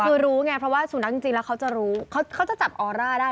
คือรู้ไงเพราะว่าสุนัขจริงแล้วเขาจะรู้เขาจะจับออร่าได้